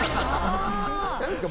何ですか？